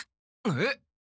えっ？